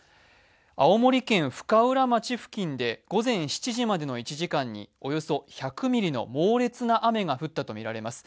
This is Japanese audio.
青森県深浦町付近で午前７時までの１時間におよそ１００ミリの猛烈な雨が降ったとみられます。